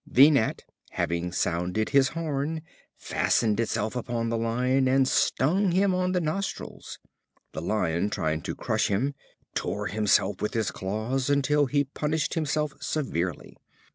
The Gnat, having sounded his horn, fastened itself upon the Lion, and stung him on the nostrils. The Lion, trying to crush him, tore himself with his claws, until he punished himself severely.